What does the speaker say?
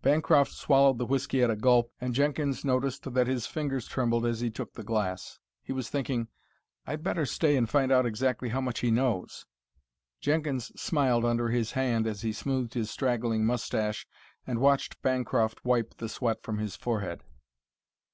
Bancroft swallowed the whiskey at a gulp and Jenkins noticed that his fingers trembled as he took the glass. He was thinking, "I'd better stay and find out exactly how much he knows." Jenkins smiled under his hand as he smoothed his straggling moustache and watched Bancroft wipe the sweat from his forehead.